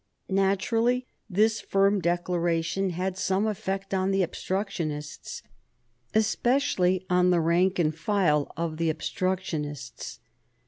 Naturally this firm declaration had some effect on the obstructionists, especially on the rank and file of the obstructionists.